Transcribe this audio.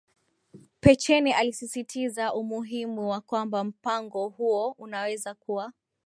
Pechenè alisisitiza umuhimu wa kwamba mpango huo unaweza kuwa